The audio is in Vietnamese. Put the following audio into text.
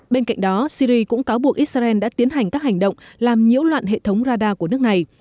bên cạnh đó syri cũng cáo buộc israel đã tiến hành các hành động làm nhiễu loạn hệ thống radar của nước này